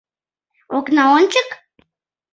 Окна ончык?